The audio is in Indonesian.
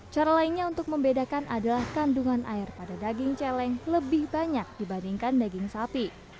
cara lainnya untuk membedakan adalah kandungan air pada daging celeng lebih banyak dibandingkan daging sapi